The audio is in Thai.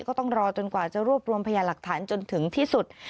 ก็ต้องรอจนกว่าจะรวบรวมพยาหลักฐานจนถึงที่สุด